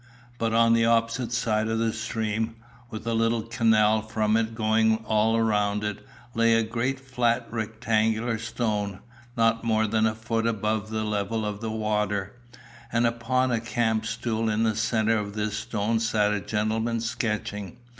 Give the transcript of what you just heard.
But on the opposite side of the stream, with a little canal from it going all around it, lay a great flat rectangular stone, not more than a foot above the level of the water, and upon a camp stool in the centre of this stone sat a gentleman sketching.